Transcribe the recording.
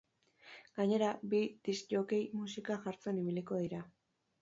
Gainera, bi disc-jockey musika jartzen ibiliko dira.